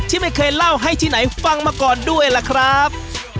ที่ไม่เคยเล่าให้ที่ไหนฟังมาก่อนด้วยล่ะครับ